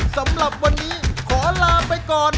สำหรับวันนี้ขอลาไปก่อน